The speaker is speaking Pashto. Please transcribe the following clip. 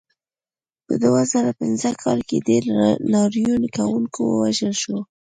په دوه زره پنځه کال کې ډېر لاریون کوونکي ووژل شول.